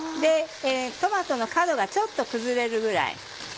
トマトの角がちょっと崩れるぐらい。